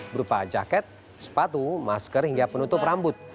berupa jaket sepatu masker hingga penutup rambut